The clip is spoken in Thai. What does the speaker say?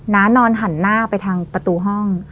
นอนหันหน้าไปทางประตูห้อง